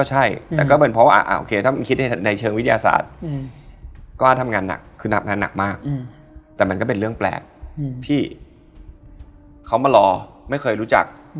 ใช่แต่ถ้าคิดในเชิงวิทยาศาสตร์ก็ว่าทำงานหนักคือนับงานหนักมากแต่มันก็เป็นเรื่องแปลกที่เขามารอไม่เคยรู้จัก